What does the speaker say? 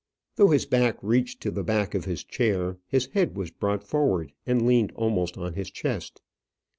Though his back reached to the back of his chair, his head was brought forward and leaned almost on his chest.